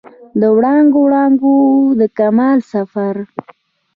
د وړانګو، وړانګو د کمال سفر